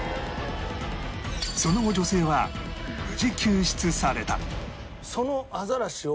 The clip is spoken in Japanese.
その後女性は無事救出された